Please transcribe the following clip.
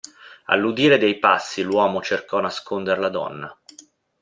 All'udire dei passi l'uomo cercò nasconder la donna.